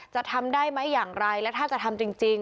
จะทำได้ไหมอย่างไรและถ้าจะทำจริง